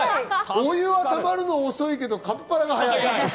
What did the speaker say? お湯はたまるの遅いけどカピバラは早い。